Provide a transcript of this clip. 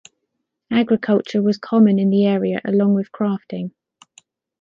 Agriculture was common in the area along with crafting.